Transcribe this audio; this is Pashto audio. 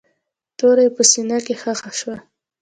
توره يې په سينه کښې ښخه شوه.